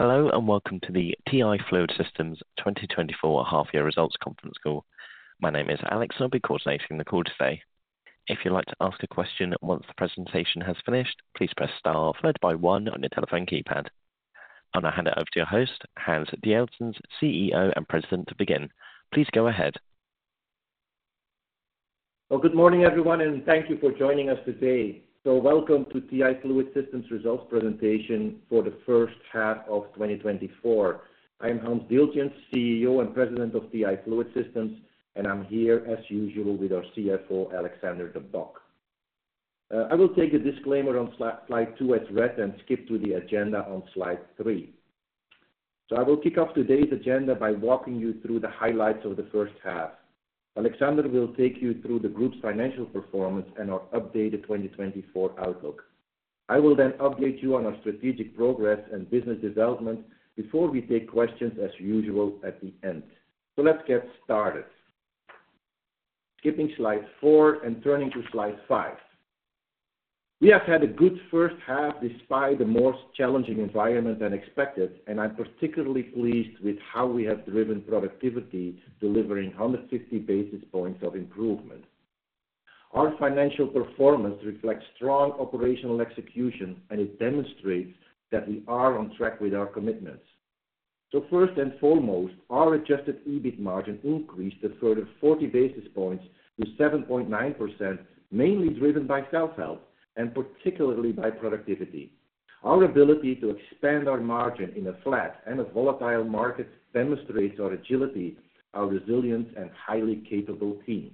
Hello, and welcome to the TI Fluid Systems 2024 half year results conference call. My name is Alex, and I'll be coordinating the call today. If you'd like to ask a question once the presentation has finished, please press Star followed by one on your telephone keypad. I'll now hand it over to your host, Hans Dieltjens, CEO and President, to begin. Please go ahead. Well, good morning, everyone, and thank you for joining us today. Welcome to TI Fluid Systems results presentation for the first half of 2024. I'm Hans Dieltjens, CEO and President of TI Fluid Systems, and I'm here, as usual, with our CFO, Alexander De Bock. I will take the disclaimer on slide two as read and skip to the agenda on slide three. I will kick off today's agenda by walking you through the highlights of the first half. Alexander will take you through the group's financial performance and our updated 2024 outlook. I will then update you on our strategic progress and business development before we take questions, as usual at the end. Let's get started. Skipping slide four and turning to slide five. We have had a good first half, despite the more challenging environment than expected, and I'm particularly pleased with how we have driven productivity, delivering 150 basis points of improvement. Our financial performance reflects strong operational execution, and it demonstrates that we are on track with our commitments. So first and foremost, our adjusted EBIT margin increased a further 40 basis points to 7.9%, mainly driven by self-help and particularly by productivity. Our ability to expand our margin in a flat and a volatile market demonstrates our agility, our resilience, and highly capable team.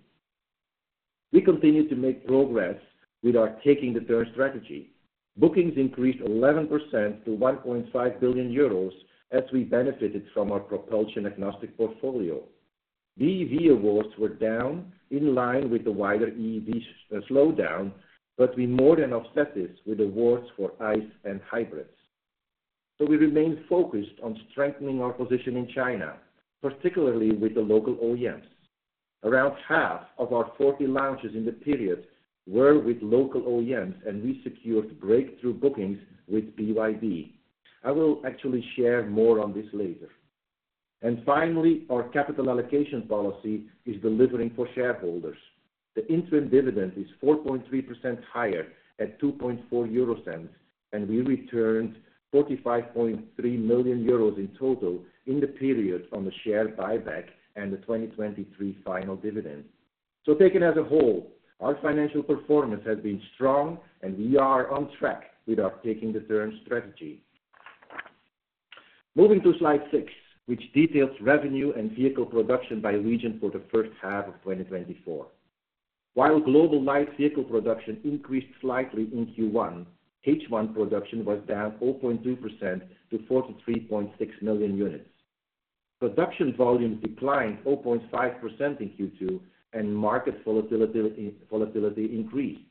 We continue to make progress with our Taking the Turn strategy. Bookings increased 11% to 1.5 billion euros as we benefited from our propulsion-agnostic portfolio. BEV awards were down in line with the wider EV slowdown, but we more than offset this with awards for ICE and hybrids. So we remain focused on strengthening our position in China, particularly with the local OEMs. Around half of our 40 launches in the period were with local OEMs, and we secured breakthrough bookings with BYD. I will actually share more on this later. And finally, our capital allocation policy is delivering for shareholders. The interim dividend is 4.3% higher at 0.024, and we returned 45.3 million euros in total in the period on the share buyback and the 2023 final dividend. So taken as a whole, our financial performance has been strong, and we are on track with our Taking the Turn strategy. Moving to slide six, which details revenue and vehicle production by region for the first half of 2024. While global light vehicle production increased slightly in Q1, H1 production was down 4.2% to 43.6 million units. Production volumes declined 4.5% in Q2, and market volatility increased.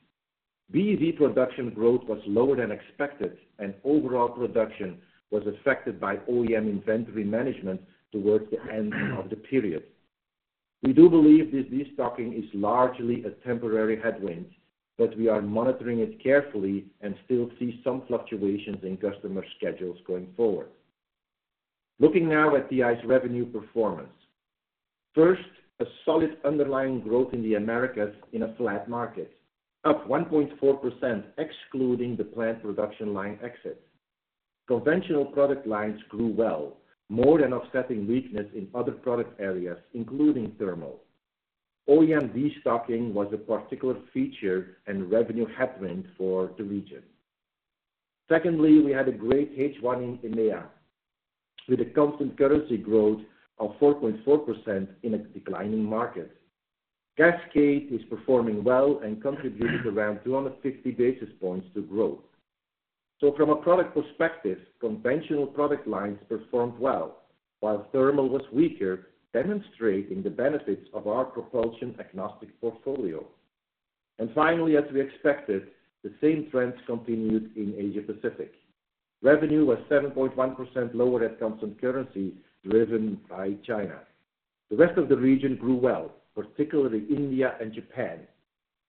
BEV production growth was lower than expected, and overall production was affected by OEM inventory management towards the end of the period. We do believe this destocking is largely a temporary headwind, but we are monitoring it carefully and still see some fluctuations in customer schedules going forward. Looking now at the ICE revenue performance. First, a solid underlying growth in the Americas in a flat market, up 1.4%, excluding the plant production line exits. Conventional product lines grew well, more than offsetting weakness in other product areas, including thermal. OEM destocking was a particular feature and revenue headwind for the region. Secondly, we had a great H1 in EMEA, with a constant currency growth of 4.4% in a declining market. Cascade is performing well and contributed around 250 basis points to growth. So from a product perspective, conventional product lines performed well, while thermal was weaker, demonstrating the benefits of our propulsion-agnostic portfolio. And finally, as we expected, the same trends continued in Asia Pacific. Revenue was 7.1% lower at constant currency, driven by China. The rest of the region grew well, particularly India and Japan.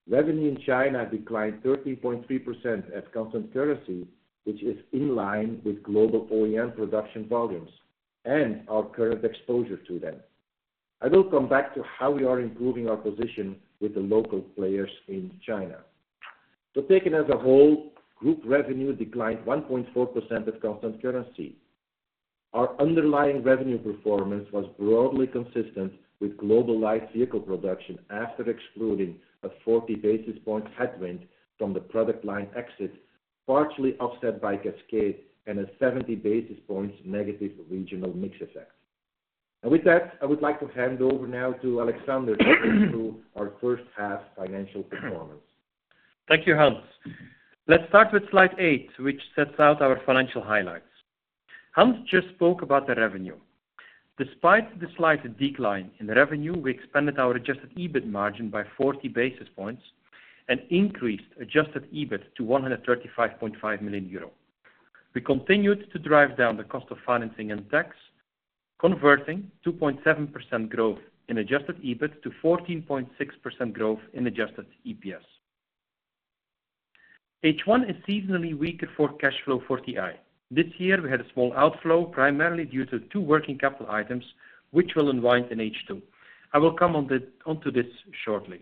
Revenue in China declined 13.3% at constant currency, which is in line with global OEM production volumes and our current exposure to them. I will come back to how we are improving our position with the local players in China. So taken as a whole, group revenue declined 1.4% at constant currency. Our underlying revenue performance was broadly consistent with global light vehicle production after excluding a 40 basis point headwind from the product line exits, partially offset by Cascade and a 70 basis points negative regional mix effect. And with that, I would like to hand over now to our first half financial performance. Thank you, Hans. Let's start with slide eight, which sets out our financial highlights. Hans just spoke about the revenue. Despite the slight decline in revenue, we expanded our adjusted EBIT margin by 40 basis points and increased adjusted EBIT to 135.5 million euro. We continued to drive down the cost of financing and tax, converting 2.7% growth in adjusted EBIT to 14.6% growth in adjusted EPS. H1 is seasonally weaker for cash flow for TI. This year, we had a small outflow, primarily due to two working capital items, which will unwind in H2. I will come onto this shortly.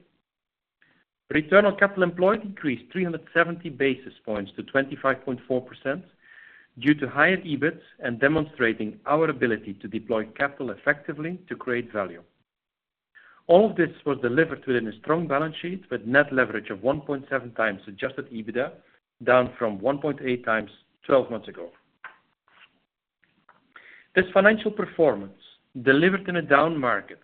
Return on capital employed increased 370 basis points to 25.4%, due to higher EBIT and demonstrating our ability to deploy capital effectively to create value. All of this was delivered within a strong balance sheet, with net leverage of 1.7x adjusted EBITDA, down from 1.8x 12 months ago. This financial performance, delivered in a down market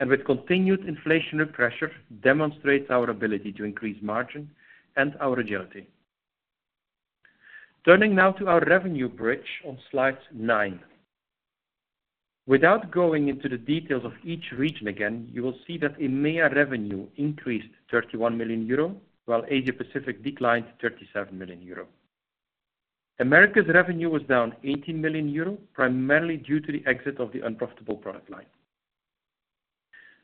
and with continued inflationary pressure, demonstrates our ability to increase margin and our agility. Turning now to our revenue bridge on slide nine. Without going into the details of each region again, you will see that EMEA revenue increased 31 million euro, while Asia Pacific declined 37 million euro. Americas revenue was down 18 million euro, primarily due to the exit of the unprofitable product line.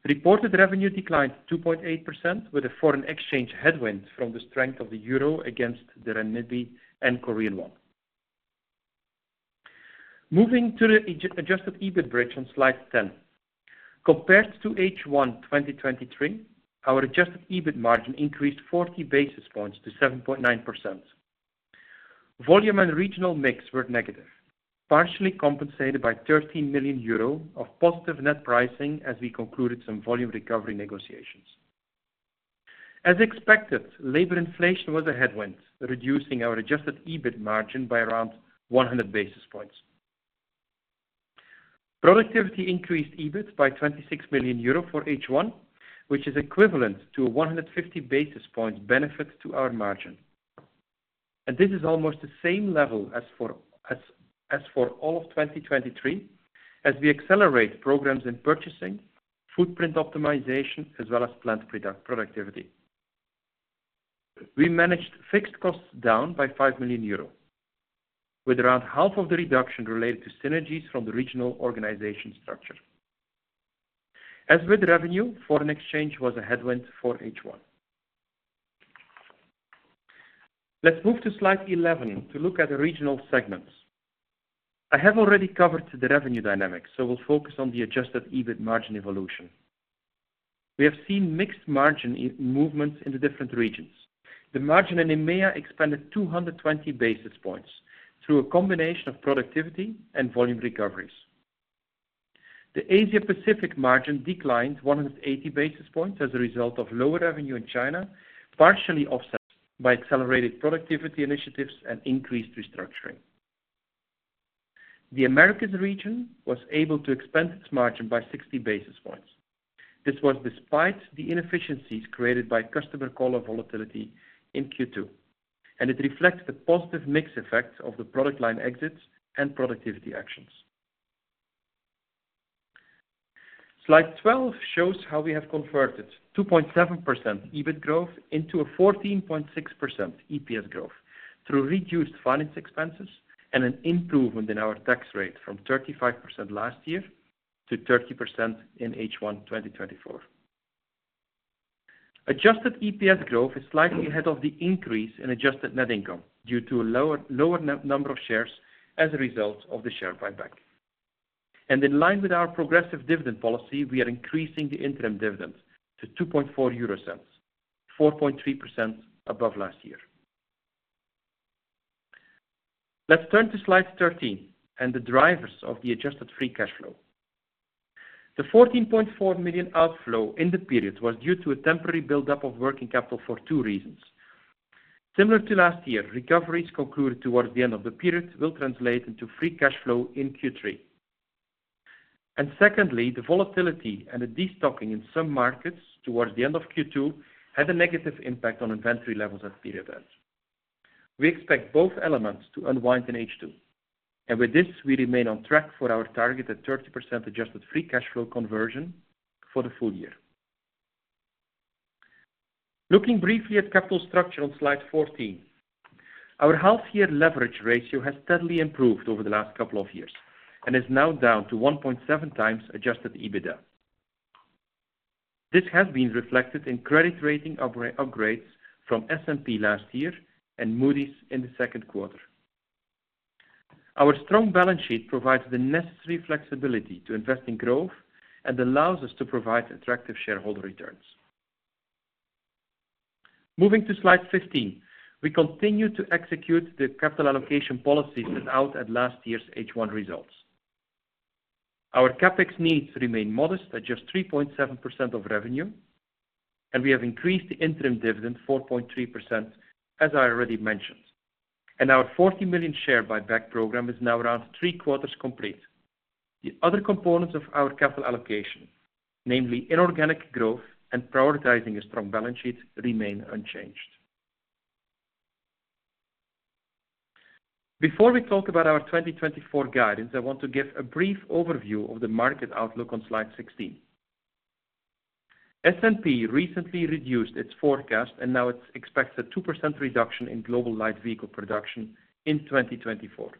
Reported revenue declined 2.8%, with a foreign exchange headwind from the strength of the euro against the renminbi and Korean won. Moving to the adjusted EBIT bridge on slide 10. Compared to H1 2023, our adjusted EBIT margin increased 40 basis points to 7.9%. Volume and regional mix were negative, partially compensated by 13 million euro of positive net pricing, as we concluded some volume recovery negotiations. As expected, labor inflation was a headwind, reducing our adjusted EBIT margin by around 100 basis points. Productivity increased EBIT by 26 million euro for H1, which is equivalent to a 150 basis point benefit to our margin. And this is almost the same level as for all of 2023, as we accelerate programs in purchasing, footprint optimization, as well as plant productivity. We managed fixed costs down by 5 million euro, with around half of the reduction related to synergies from the regional organization structure. As with revenue, foreign exchange was a headwind for H1. Let's move to slide 11 to look at the regional segments. I have already covered the revenue dynamics, so we'll focus on the adjusted EBIT margin evolution. We have seen mixed margin in movements in the different regions. The margin in EMEA expanded 220 basis points through a combination of productivity and volume recoveries. The Asia Pacific margin declined 180 basis points as a result of lower revenue in China, partially offset by accelerated productivity initiatives and increased restructuring. The Americas region was able to expand its margin by 60 basis points. This was despite the inefficiencies created by customer call-off volatility in Q2, and it reflects the positive mix effects of the product line exits and productivity actions. Slide 12 shows how we have converted 2.7% EBIT growth into a 14.6% EPS growth, through reduced finance expenses and an improvement in our tax rate from 35% last year to 30% in H1 2024. Adjusted EPS growth is slightly ahead of the increase in adjusted net income, due to a lower number of shares as a result of the share buyback. In line with our progressive dividend policy, we are increasing the interim dividend to 0.024 euro, 4.3% above last year. Let's turn to slide 13 and the drivers of the adjusted free cash flow. The 14.4 million outflow in the period was due to a temporary buildup of working capital for two reasons. Similar to last year, recoveries concluded towards the end of the period will translate into free cash flow in Q3. Secondly, the volatility and the destocking in some markets towards the end of Q2 had a negative impact on inventory levels at period ends. We expect both elements to unwind in H2, and with this, we remain on track for our target at 30% adjusted free cash flow conversion for the full year. Looking briefly at capital structure on slide 14. Our half year leverage ratio has steadily improved over the last couple of years and is now down to 1.7x adjusted EBITDA. This has been reflected in credit rating upgrades from S&P last year and Moody's in the second quarter. Our strong balance sheet provides the necessary flexibility to invest in growth and allows us to provide attractive shareholder returns. Moving to slide 15. We continue to execute the capital allocation policy set out at last year's H1 results. Our CapEx needs remain modest, at just 3.7% of revenue, and we have increased the interim dividend 4.3%, as I already mentioned, and our 40 million share buyback program is now around three quarters complete. The other components of our capital allocation, namely inorganic growth and prioritizing a strong balance sheet, remain unchanged. Before we talk about our 2024 guidance, I want to give a brief overview of the market outlook on slide 16. S&P recently reduced its forecast, and now it expects a 2% reduction in global light vehicle production in 2024.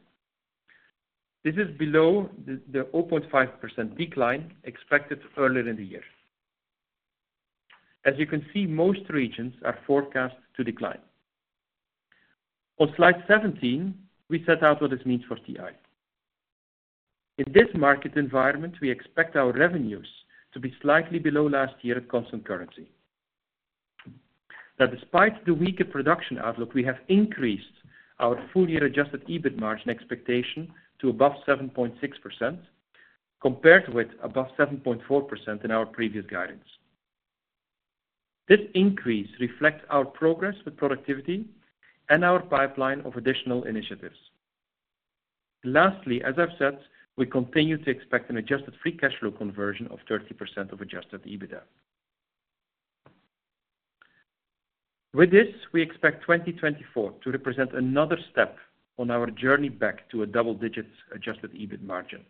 This is below the 0.5% decline expected earlier in the year. As you can see, most regions are forecast to decline. On slide 17, we set out what this means for TI. In this market environment, we expect our revenues to be slightly below last year at constant currency. Now, despite the weaker production outlook, we have increased our full-year adjusted EBIT margin expectation to above 7.6%, compared with above 7.4% in our previous guidance. This increase reflects our progress with productivity and our pipeline of additional initiatives. Lastly, as I've said, we continue to expect an adjusted free cash flow conversion of 30% of adjusted EBITDA. With this, we expect 2024 to represent another step on our journey back to a double-digit adjusted EBIT margin.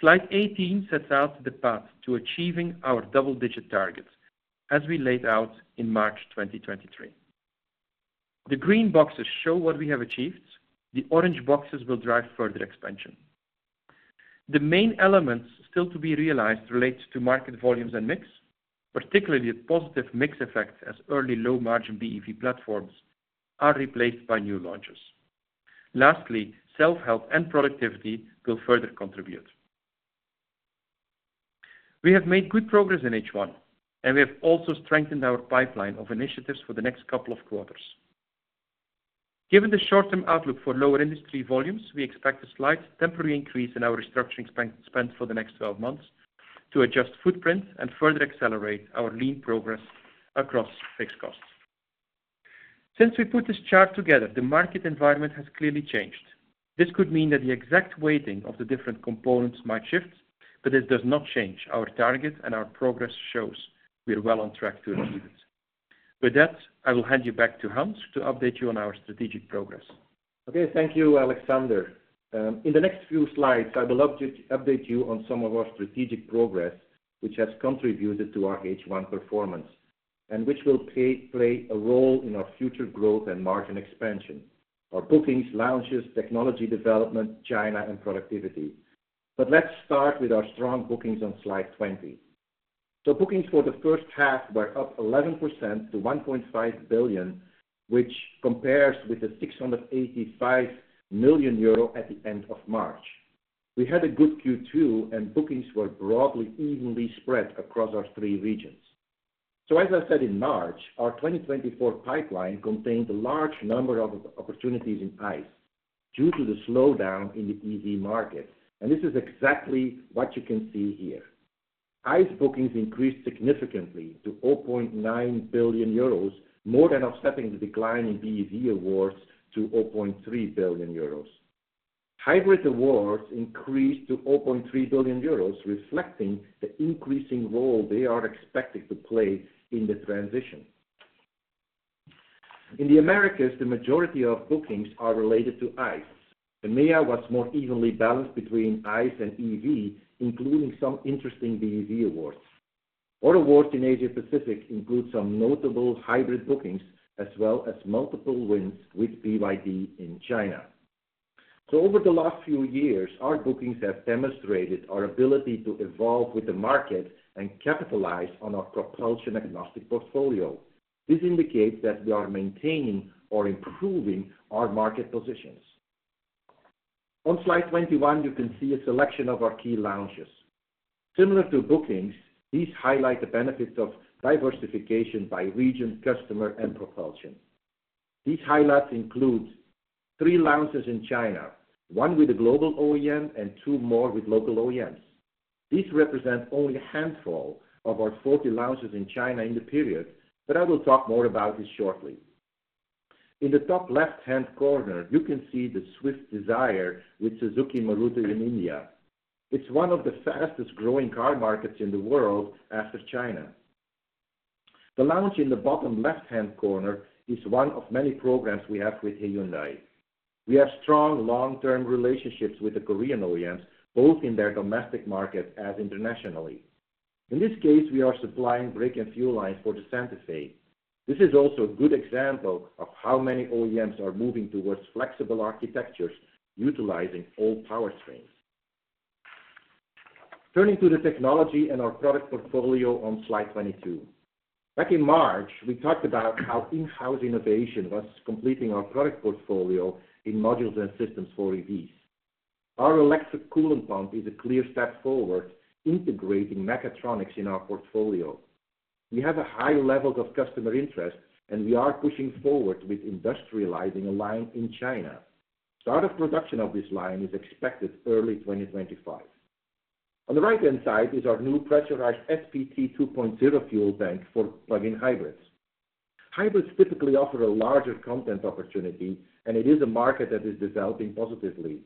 Slide 18 sets out the path to achieving our double-digit targets, as we laid out in March 2023. The green boxes show what we have achieved. The orange boxes will drive further expansion. The main elements still to be realized relates to market volumes and mix, particularly the positive mix effect as early low-margin BEV platforms are replaced by new launches. Lastly, self-help and productivity will further contribute. We have made good progress in H1, and we have also strengthened our pipeline of initiatives for the next couple of quarters. Given the short-term outlook for lower industry volumes, we expect a slight temporary increase in our restructuring spend for the next 12 months to adjust footprint and further accelerate our lean progress across fixed costs. Since we put this chart together, the market environment has clearly changed. This could mean that the exact weighting of the different components might shift, but it does not change our target, and our progress shows we are well on track to achieve it. With that, I will hand you back to Hans to update you on our strategic progress. Okay, thank you, Alexander. In the next few slides, I will update you on some of our strategic progress, which has contributed to our H1 performance, and which will play a role in our future growth and margin expansion. Our bookings, launches, technology development, China, and productivity. But let's start with our strong bookings on slide 20. So bookings for the first half were up 11% to 1.5 billion, which compares with the 685 million euro at the end of March. We had a good Q2, and bookings were broadly evenly spread across our three regions. So as I said in March, our 2024 pipeline contained a large number of opportunities in ICE due to the slowdown in the EV market. And this is exactly what you can see here. ICE bookings increased significantly to 0.9 billion euros, more than offsetting the decline in BEV awards to 0.3 billion euros. Hybrid awards increased to 0.3 billion euros, reflecting the increasing role they are expected to play in the transition. In the Americas, the majority of bookings are related to ICE. EMEA was more evenly balanced between ICE and EV, including some interesting BEV awards. Our awards in Asia Pacific include some notable hybrid bookings, as well as multiple wins with BYD in China. So over the last few years, our bookings have demonstrated our ability to evolve with the market and capitalize on our propulsion-agnostic portfolio. This indicates that we are maintaining or improving our market positions. On slide 21, you can see a selection of our key launches. Similar to bookings, these highlight the benefits of diversification by region, customer, and propulsion. These highlights include three launches in China, one with a global OEM and two more with local OEMs. These represent only a handful of our 40 launches in China in the period, but I will talk more about this shortly. In the top left-hand corner, you can see the Swift Dzire with Maruti Suzuki in India. It's one of the fastest-growing car markets in the world after China. The launch in the bottom left-hand corner is one of many programs we have with Hyundai. We have strong, long-term relationships with the Korean OEMs, both in their domestic market and internationally. In this case, we are supplying brake and fuel lines for the Santa Fe. This is also a good example of how many OEMs are moving towards flexible architectures utilizing all powertrains. Turning to the technology and our product portfolio on slide 22. Back in March, we talked about how in-house innovation was completing our product portfolio in modules and systems for EVs. Our electric coolant pump is a clear step forward, integrating mechatronics in our portfolio. We have a high level of customer interest, and we are pushing forward with industrializing a line in China. Start of production of this line is expected early 2025. On the right-hand side is our new pressurized SPT 2.0 fuel tank for plug-in hybrids. Hybrids typically offer a larger content opportunity, and it is a market that is developing positively.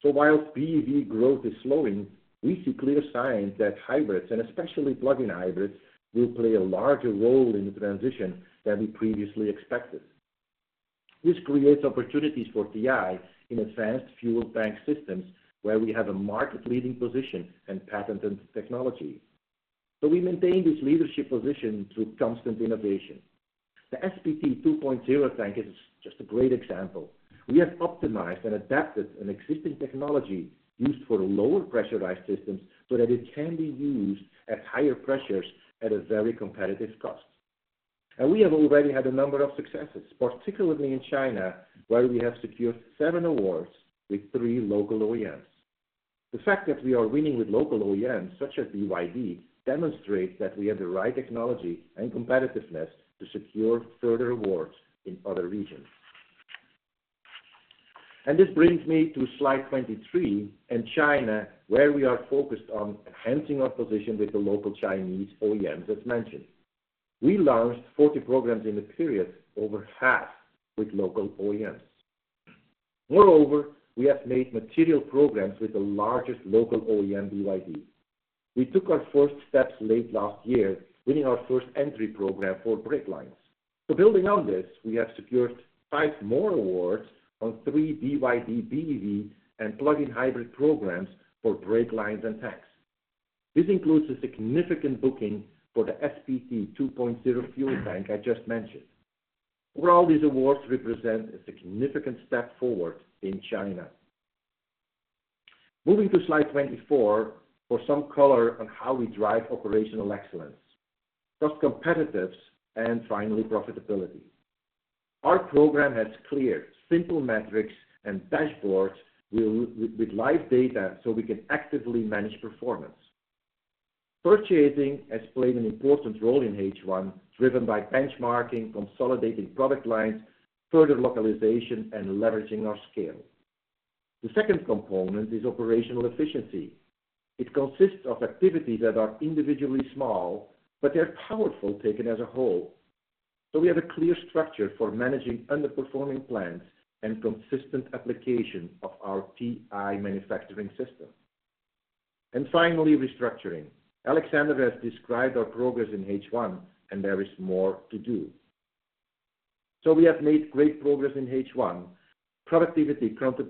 So while BEV growth is slowing, we see clear signs that hybrids, and especially plug-in hybrids, will play a larger role in the transition than we previously expected. This creates opportunities for TI in advanced fuel tank systems, where we have a market-leading position and patented technology.... So we maintain this leadership position through constant innovation. The SPT 2.0 tank is just a great example. We have optimized and adapted an existing technology used for lower pressurized systems, so that it can be used at higher pressures at a very competitive cost. And we have already had a number of successes, particularly in China, where we have secured seven awards with three local OEMs. The fact that we are winning with local OEMs, such as BYD, demonstrates that we have the right technology and competitiveness to secure further awards in other regions. And this brings me to slide 23, and China, where we are focused on enhancing our position with the local Chinese OEMs, as mentioned. We launched 40 programs in the period, over half with local OEMs. Moreover, we have made material programs with the largest local OEM, BYD. We took our first steps late last year, winning our first entry program for brake lines. So building on this, we have secured five more awards on three BYD, BEV, and plug-in hybrid programs for brake lines and tanks. This includes a significant booking for the SPT 2.0 fuel tank I just mentioned. All these awards represent a significant step forward in China. Moving to slide 24, for some color on how we drive operational excellence, cost competitiveness, and finally, profitability. Our program has clear, simple metrics and dashboards with live data, so we can actively manage performance. Purchasing has played an important role in H1, driven by benchmarking, consolidating product lines, further localization, and leveraging our scale. The second component is operational efficiency. It consists of activities that are individually small, but they're powerful, taken as a whole. So we have a clear structure for managing underperforming plans and consistent application of our TI Manufacturing System. And finally, restructuring. Alexander has described our progress in H1, and there is more to do. We have made great progress in H1. Productivity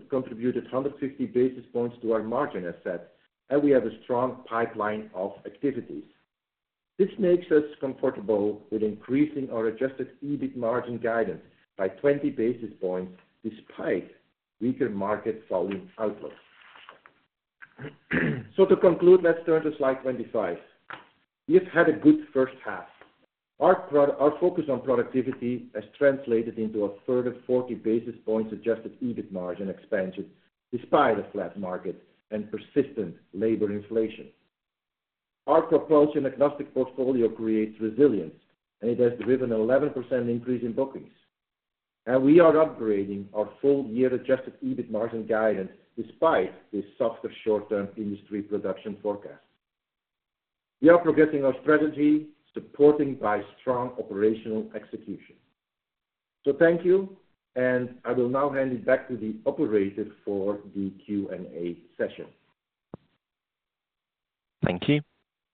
contributed 150 basis points to our margin assets, and we have a strong pipeline of activities. This makes us comfortable with increasing our adjusted EBIT margin guidance by 20 basis points, despite weaker market volume outlooks. So to conclude, let's turn to slide 25. We have had a good first half. Our focus on productivity has translated into a further 40 basis points adjusted EBIT margin expansion, despite a flat market and persistent labor inflation. Our propulsion agnostic portfolio creates resilience, and it has driven 11% increase in bookings. We are upgrading our full year-adjusted EBIT margin guidance, despite the softer short-term industry production forecast. We are progressing our strategy, supporting by strong operational execution. Thank you, and I will now hand it back to the operator for the Q&A session. Thank you.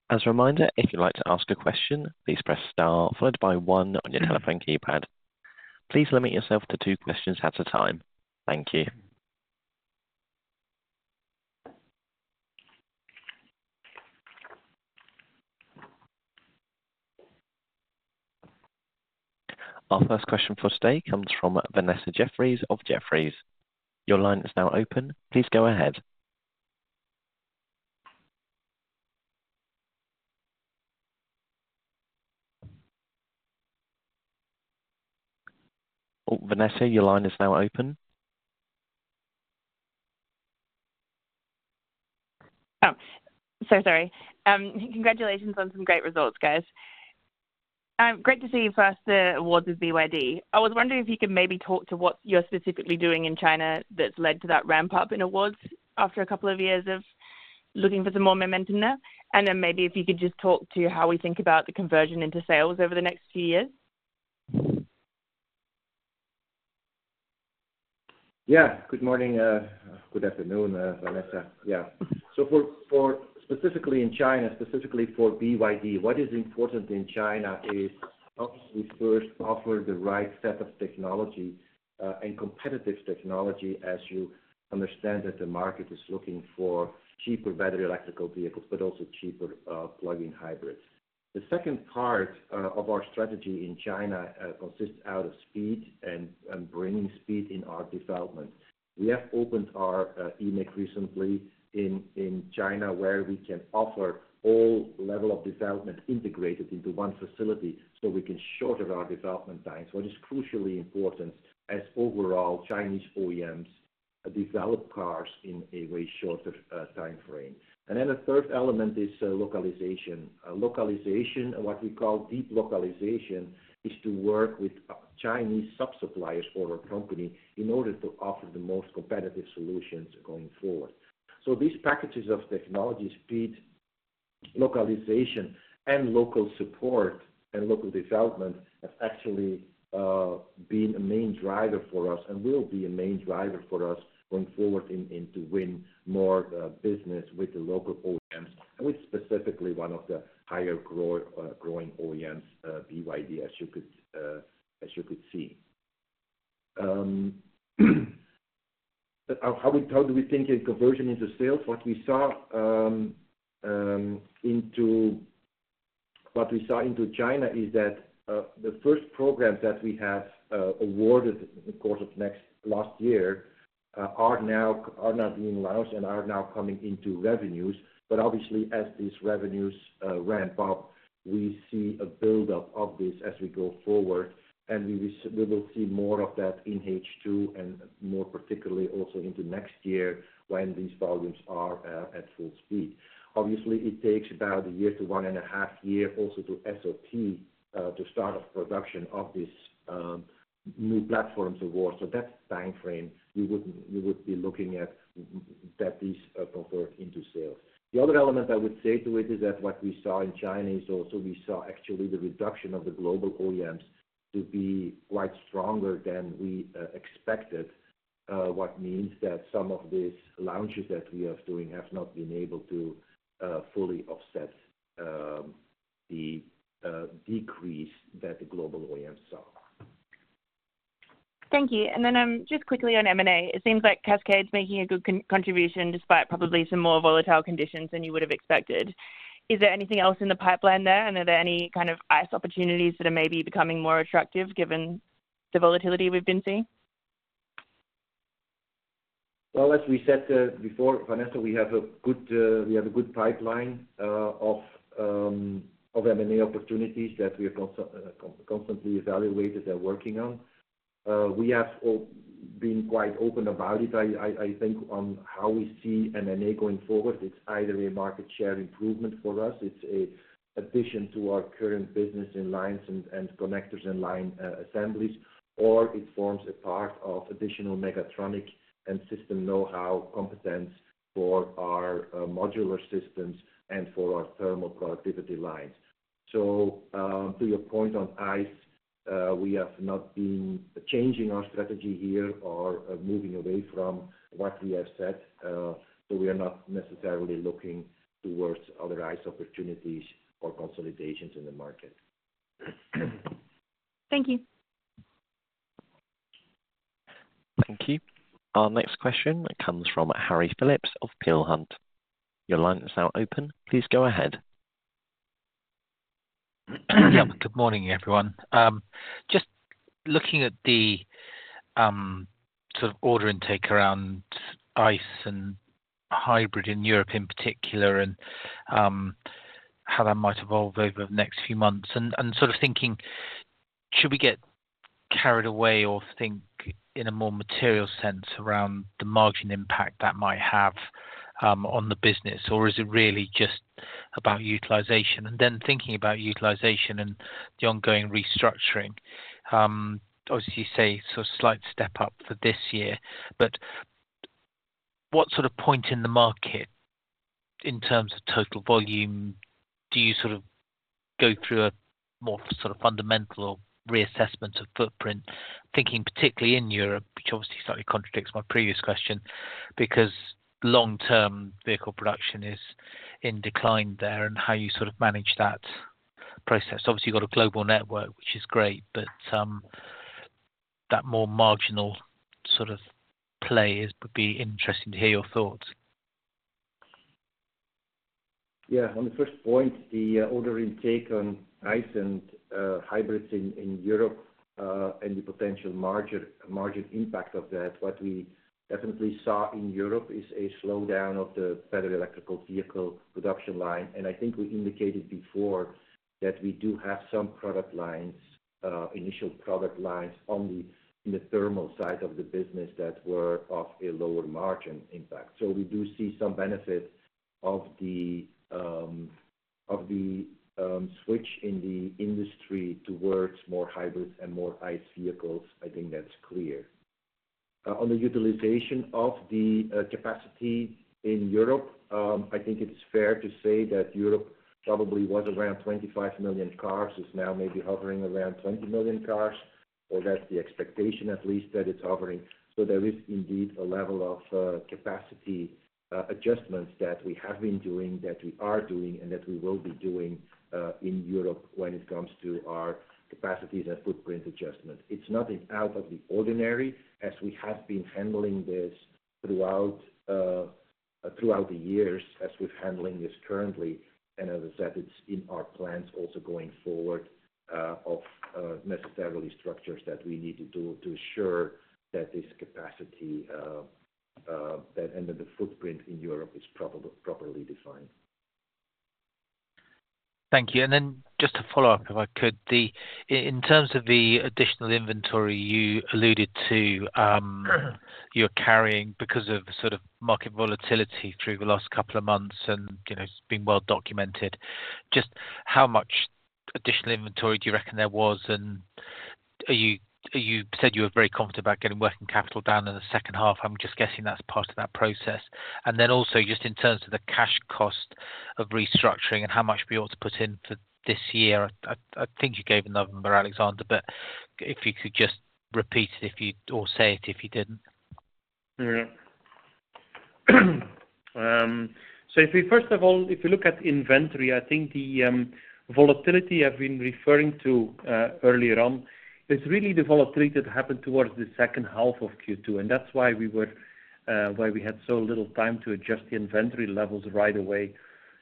As a reminder, if you'd like to ask a question, please press star followed by one on your telephone keypad. Please limit yourself to two questions at a time. Thank you. Our first question for today comes from Vanessa Jefferies of Jefferies. Your line is now open. Please go ahead. Oh, Vanessa, your line is now open. Oh, so sorry. Congratulations on some great results, guys. Great to see, first, the awards with BYD. I was wondering if you could maybe talk to what you're specifically doing in China, that's led to that ramp-up in awards after a couple of years of looking for some more momentum there. And then maybe if you could just talk to how we think about the conversion into sales over the next few years. Yeah. Good morning, good afternoon, Vanessa. Yeah. So for specifically in China, specifically for BYD, what is important in China is, obviously, first offer the right set of technology, and competitive technology, as you understand that the market is looking for cheaper battery electric vehicles, but also cheaper plug-in hybrids. The second part of our strategy in China consists out of speed and bringing speed in our development. We have opened our e-MIC Localization, and what we call deep localization, is to work with Chinese sub-suppliers for our company in order to offer the most competitive solutions going forward. So these packages of technology, speed, localization, and local support, and local development, have actually been a main driver for us and will be a main driver for us going forward in order to win more business with the local OEMs, and with specifically one of the higher growing OEMs, BYD, as you could see. But how do we think a conversion into sales? What we saw into China is that the first program that we have awarded in the course of last year are now being launched and are now coming into revenues. But obviously, as these revenues, ramp up, we see a build-up of this as we go forward, and we will, we will see more of that in H2 and more particularly also into next year, when these volumes are, at full speed. Obviously, it takes about a year to 1.5 year also to SOP, to start off production of this, new platforms award. So that timeframe, we would, we would be looking at that these convert into sales. The other element I would say to it, is that what we saw in China is also we saw actually the reduction of the global OEMs to be quite stronger than we, expected. What means that some of these launches that we are doing have not been able to, fully offset, the, decrease that the global OEMs saw. Thank you, and then, just quickly on M&A. It seems like Cascade's making a good contribution, despite probably some more volatile conditions than you would have expected. Is there anything else in the pipeline there, and are there any kind of ICE opportunities that are maybe becoming more attractive given the volatility we've been seeing? Well, as we said before, Vanessa, we have a good pipeline of M&A opportunities that we are constantly evaluated and working on. We have all been quite open about it. I think on how we see M&A going forward, it's either a market share improvement for us, it's a addition to our current business in lines and connectors and line assemblies, or it forms a part of additional mechatronic and system know-how competence for our modular systems and for our thermal productivity lines. So, to your point on ICE, we have not been changing our strategy here or moving away from what we have said. So we are not necessarily looking towards other ICE opportunities or consolidations in the market. Thank you. Thank you. Our next question comes from Harry Phillips of Peel Hunt. Your line is now open. Please go ahead. Yep, good morning, everyone. Just looking at the sort of order intake around ICE and hybrid in Europe in particular, and how that might evolve over the next few months. And sort of thinking, should we get carried away or think in a more material sense around the margin impact that might have on the business? Or is it really just about utilization? And then thinking about utilization and the ongoing restructuring, obviously you say sort of slight step up for this year, but what sort of point in the market in terms of total volume, do you sort of go through a more sort of fundamental or reassessment of footprint, thinking particularly in Europe, which obviously slightly contradicts my previous question, because long-term vehicle production is in decline there, and how you sort of manage that process. Obviously, you've got a global network, which is great, but that more marginal sort of play is, would be interesting to hear your thoughts. Yeah. On the first point, the order intake on ICE and hybrids in Europe, and the potential margin, margin impact of that, what we definitely saw in Europe is a slowdown of the battery electric vehicle production line. And I think we indicated before that we do have some product lines, initial product lines on the, in the thermal side of the business that were of a lower margin impact. So we do see some benefits of the switch in the industry towards more hybrids and more ICE vehicles. I think that's clear. On the utilization of the capacity in Europe, I think it's fair to say that Europe probably was around 25 million cars, is now maybe hovering around 20 million cars, or that's the expectation, at least, that it's hovering. So there is indeed a level of capacity adjustments that we have been doing, that we are doing, and that we will be doing in Europe when it comes to our capacities and footprint adjustment. It's nothing out of the ordinary, as we have been handling this throughout the years, as we're handling this currently. And as I said, it's in our plans also going forward of necessary structures that we need to do to ensure that this capacity and that the footprint in Europe is properly defined. Thank you. And then just to follow up, if I could. The in terms of the additional inventory you alluded to, you're carrying because of sort of market volatility through the last couple of months, and, you know, it's been well documented. Just how much additional inventory do you reckon there was? And are you, you said you were very confident about getting working capital down in the second half. I'm just guessing that's part of that process. And then also, just in terms of the cash cost of restructuring and how much we ought to put in for this year, I think you gave a number, Alexander, but if you could just repeat it, if you, or say it, if you didn't.... So if we first of all, if you look at inventory, I think the, volatility I've been referring to, earlier on, is really the volatility that happened towards the second half of Q2, and that's why we were, why we had so little time to adjust the inventory levels right away.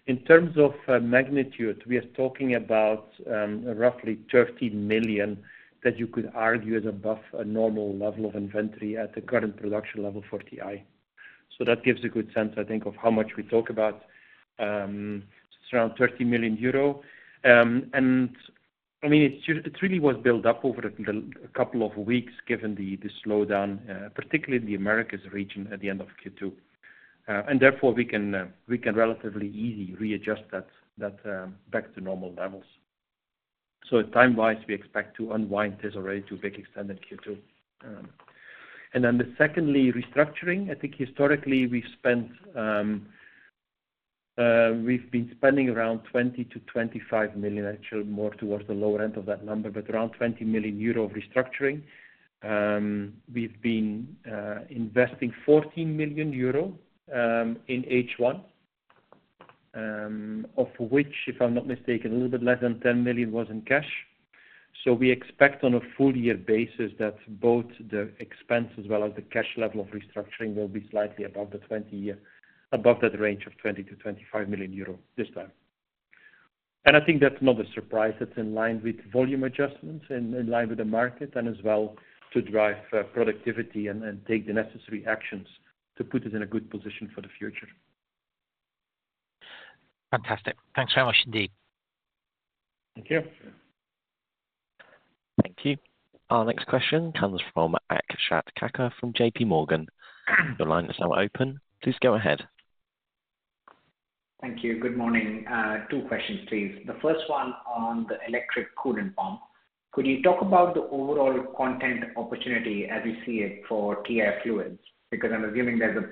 In terms of, magnitude, we are talking about, roughly 30 million, that you could argue is above a normal level of inventory at the current production level for TI. So that gives a good sense, I think, of how much we talk about, it's around 30 million euro. And I mean, it really was built up over the, the couple of weeks, given the, the slowdown, particularly in the Americas region at the end of Q2. And therefore, we can, we can relatively easy readjust that, that, back to normal levels. So time-wise, we expect to unwind this already to back extended Q2. And then the secondly, restructuring. I think historically we've spent, we've been spending around 20 million-25 million, actually more towards the lower end of that number, but around 20 million euro of restructuring. We've been investing 14 million euro in H1, of which, if I'm not mistaken, a little bit less than 10 million was in cash. So we expect on a full year basis that both the expense as well as the cash level of restructuring will be slightly above the 20 year, above that range of 20 million-25 million euro this time. I think that's not a surprise, it's in line with volume adjustments and in line with the market, and as well to drive productivity and take the necessary actions to put us in a good position for the future. Fantastic. Thanks very much indeed. Thank you. Thank you. Our next question comes from Akash Kakkar from JP Morgan. Your line is now open. Please go ahead. Thank you. Good morning. Two questions, please. The first one on the electric coolant pump. Could you talk about the overall content opportunity as you see it for TI Fluid Systems? Because I'm assuming there's a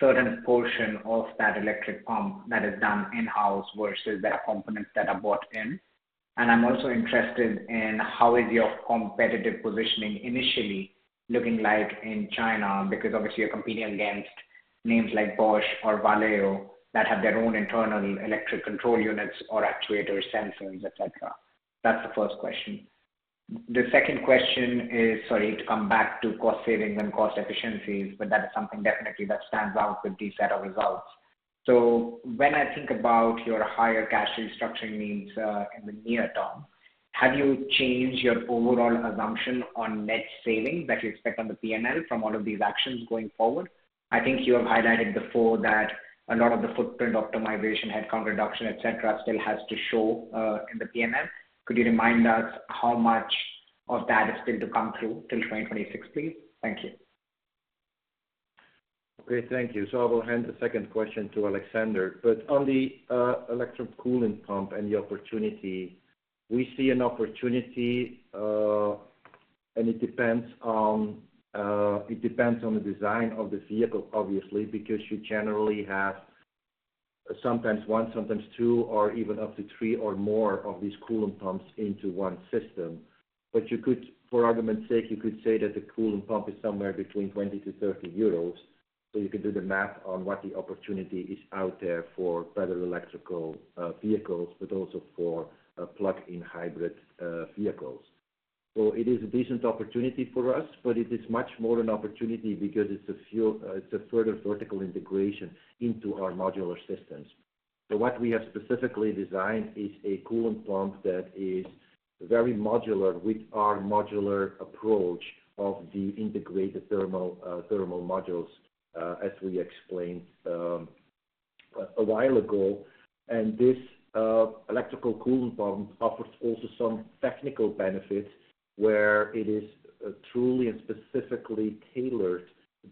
certain portion of that electric pump that is done in-house versus there are components that are bought in. And I'm also interested in how is your competitive positioning initially looking like in China, because obviously you're competing against names like Bosch or Valeo, that have their own internal electric control units or actuator sensors, et cetera. That's the first question. The second question is, sorry, to come back to cost savings and cost efficiencies, but that is something definitely that stands out with these set of results. When I think about your higher cash restructuring needs, in the near term, have you changed your overall assumption on net savings that you expect on the P&L from all of these actions going forward? I think you have highlighted before that a lot of the footprint optimization, headcount reduction, et cetera, still has to show, in the P&L. Could you remind us how much of that is still to come through till 2026, please? Thank you. Okay, thank you. So I will hand the second question to Alexander, but on the electric coolant pump and the opportunity, we see an opportunity, and it depends on it depends on the design of the vehicle, obviously, because you generally have sometimes one, sometimes two, or even up to three or more of these coolant pumps into one system. But you could, for argument's sake, you could say that the coolant pump is somewhere between 20-30 euros EUR, so you could do the math on what the opportunity is out there for better electrical vehicles, but also for plug-in hybrid vehicles. So it is a decent opportunity for us, but it is much more an opportunity because it's a fuel. It's a further vertical integration into our modular systems. So what we have specifically designed is a coolant pump that is very modular, with our modular approach of the integrated thermal modules, as we explained a while ago. And this electric coolant pump offers also some technical benefits, where it is truly and specifically tailored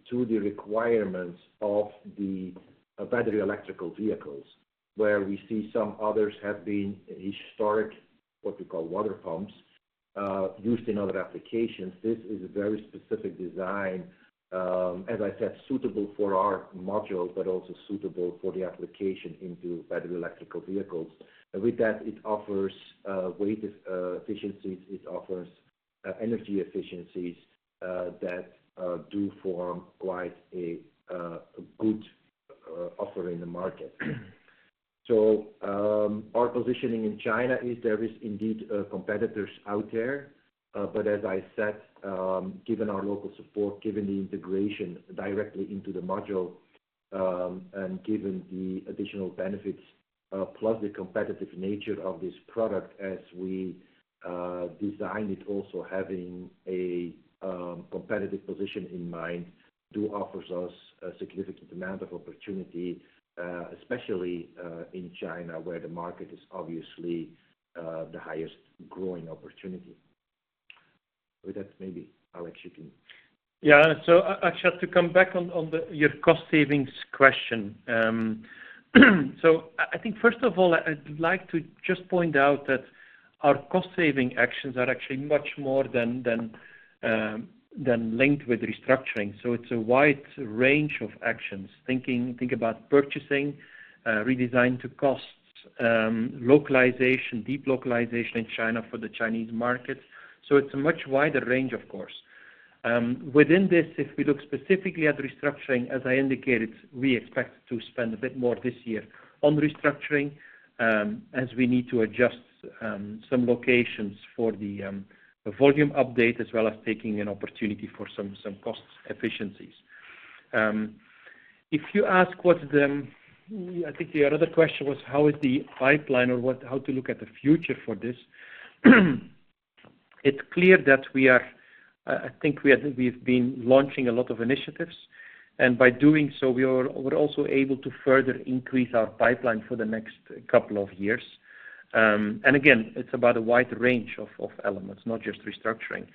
to the requirements of the battery electric vehicles, where we see some others have been historic, what we call water pumps used in other applications. This is a very specific design, as I said, suitable for our modules, but also suitable for the application into battery electric vehicles. And with that, it offers weight efficiencies, it offers energy efficiencies that do form quite a good offer in the market. So, our positioning in China is there is indeed competitors out there. But as I said, given our local support, given the integration directly into the module, and given the additional benefits, plus the competitive nature of this product as we designed it, also having a competitive position in mind, do offers us a significant amount of opportunity, especially in China, where the market is obviously the highest growing opportunity. With that, maybe, Alex, you can. Yeah. So Akash, to come back on your cost savings question. So I think first of all, I'd like to just point out that our cost saving actions are actually much more than linked with restructuring. So it's a wide range of actions. Think about purchasing, redesign to costs-... localization, deep localization in China for the Chinese markets. So it's a much wider range, of course. Within this, if we look specifically at restructuring, as I indicated, we expect to spend a bit more this year on restructuring, as we need to adjust some locations for the the volume update, as well as taking an opportunity for some cost efficiencies. If you ask what the... I think your other question was, how is the pipeline or what-- how to look at the future for this? It's clear that we are, I think we have, we've been launching a lot of initiatives, and by doing so, we are, we're also able to further increase our pipeline for the next couple of years. And again, it's about a wide range of elements, not just restructuring.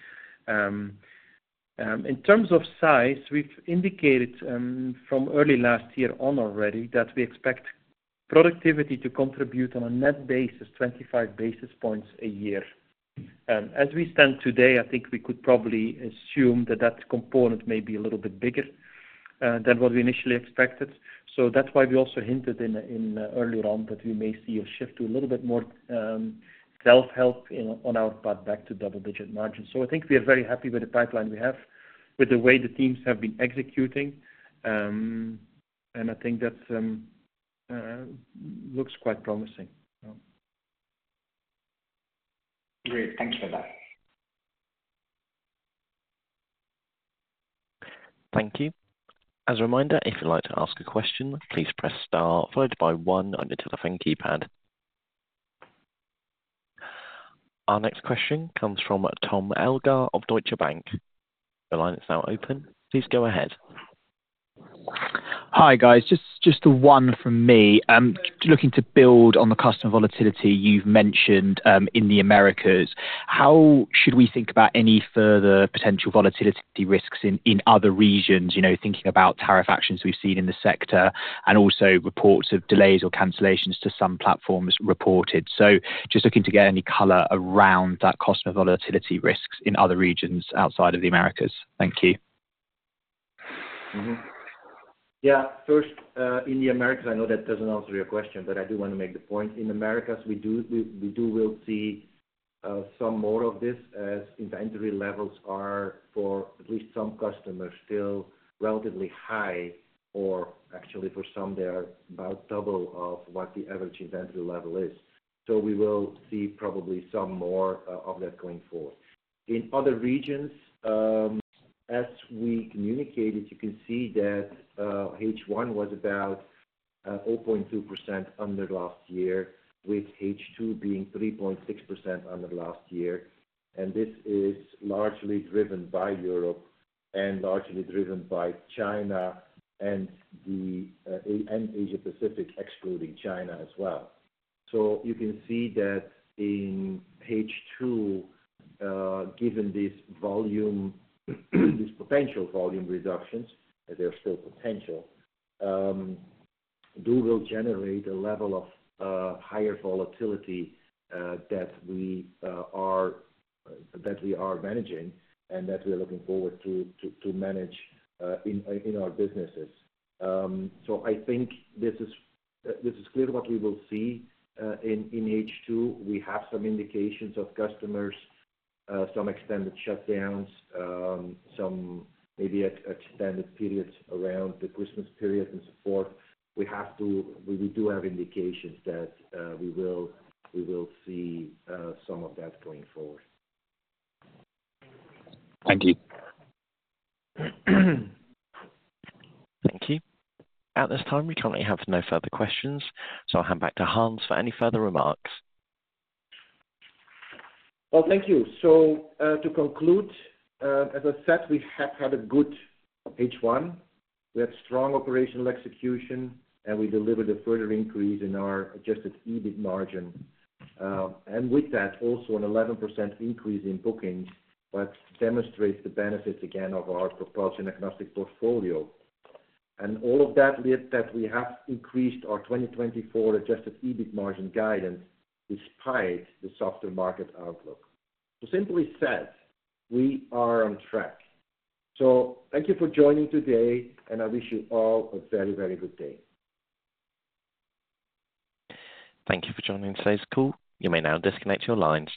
In terms of size, we've indicated from early last year on already, that we expect productivity to contribute on a net basis, 25 basis points a year. As we stand today, I think we could probably assume that that component may be a little bit bigger than what we initially expected. So that's why we also hinted in, in earlier on, that we may see a shift to a little bit more self-help in, on our path back to double-digit margins. So I think we are very happy with the pipeline we have, with the way the teams have been executing. And I think that's looks quite promising. Yeah. Great, thank you for that. Thank you. As a reminder, if you'd like to ask a question, please press star followed by one on your telephone keypad. Our next question comes from Tom Elgar of Deutsche Bank. Your line is now open, please go ahead. Hi, guys, just the one from me. Looking to build on the customer volatility you've mentioned, in the Americas, how should we think about any further potential volatility risks in other regions? You know, thinking about tariff actions we've seen in the sector, and also reports of delays or cancellations to some platforms reported. So just looking to get any color around that customer volatility risks in other regions outside of the Americas. Thank you. Mm-hmm. Yeah, first, in the Americas, I know that doesn't answer your question, but I do want to make the point. In Americas, we will see some more of this, as inventory levels are for at least some customers, still relatively high, or actually for some, they are about double of what the average inventory level is. So we will see probably some more of that going forward. In other regions, as we communicated, you can see that H1 was about 0.2% under last year, with H2 being 3.6% under last year. And this is largely driven by Europe, and largely driven by China and Asia Pacific, excluding China as well. So you can see that in H2, given this volume, this potential volume reductions, they're still potential, will generate a level of higher volatility that we are managing, and that we are looking forward to manage in our businesses. So I think this is clear what we will see in H2. We have some indications of customers some extended shutdowns, some maybe extended periods around the Christmas period and so forth. We do have indications that we will see some of that going forward. Thank you. Thank you. At this time, we currently have no further questions, so I'll hand back to Hans for any further remarks. Well, thank you. So, to conclude, as I said, we have had a good H1. We had strong operational execution, and we delivered a further increase in our adjusted EBIT margin. And with that, also an 11% increase in bookings, that demonstrates the benefits again of our propulsion-agnostic portfolio. And all of that led that we have increased our 2024 adjusted EBIT margin guidance, despite the softer market outlook. So simply said, we are on track. So thank you for joining today, and I wish you all a very, very good day. Thank you for joining today's call. You may now disconnect your lines.